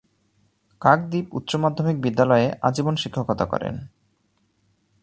কাকদ্বীপ উচ্চ মাধ্যমিক বিদ্যালয়ে আজীবন শিক্ষকতা করেন।